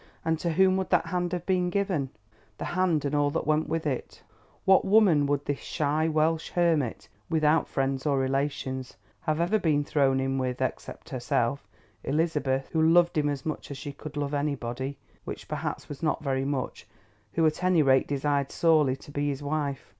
And to whom would that hand have been given, the hand and all that went with it? What woman would this shy Welsh hermit, without friends or relations, have ever been thrown in with except herself—Elizabeth—who loved him as much as she could love anybody, which, perhaps, was not very much; who, at any rate, desired sorely to be his wife.